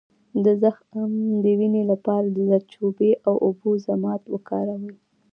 د زخم د وینې لپاره د زردچوبې او اوبو ضماد وکاروئ